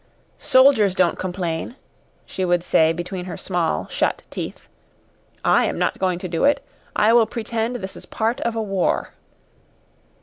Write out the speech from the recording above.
"Soldiers don't complain," she would say between her small, shut teeth, "I am not going to do it; I will pretend this is part of a war."